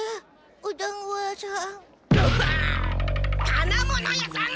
金物屋さん！